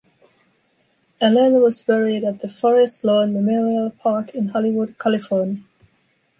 Allen was buried at the Forest Lawn Memorial Park in Hollywood, California.